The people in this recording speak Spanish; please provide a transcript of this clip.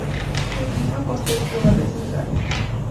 El clima costero prevalece en el área.